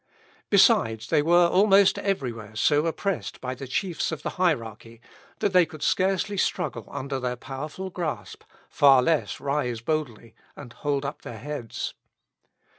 Besides, they were almost everywhere so oppressed by the chiefs of the hierarchy, that they could scarcely struggle under their powerful grasp, far less rise boldly and hold up their heads.